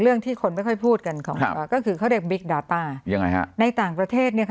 เรื่องที่คนไม่ค่อยพูดกันของก็คือเขาเรียกยังไงฮะในต่างประเทศเนี้ยค่ะ